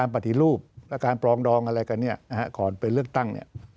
ปฏิรูปและการปรองดองอะไรกันก่อนไปเลือกตั้ง